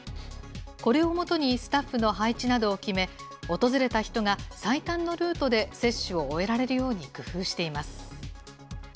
これを元にスタッフの配置などを決め、訪れた人が最短のルートで接種を終えられるように工夫しています。